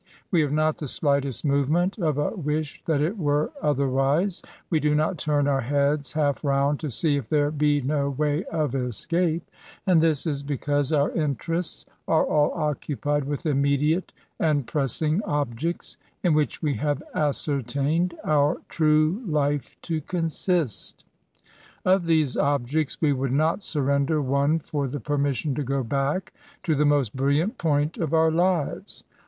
We have not the slightest movement of a wish that it were otherwise ; ^we do not turn our heads half round to see if there be no way of escape: and this is because our interests are all occupied with immediate and pressing objects, in which we have ascertained our true life to consist. Of these objects we would not surrender one for the permission to go back to the most brilliant point of our lives.